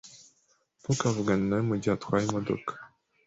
Ntukavugane nawe mugihe atwaye imodoka.